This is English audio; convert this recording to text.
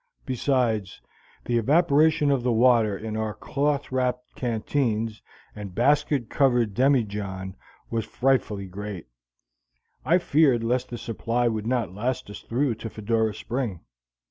Besides, the evaporation of the water in our cloth wrapped canteens and basket covered demijohn was frightfully great; I feared lest the supply would not last us through to Fedora Spring.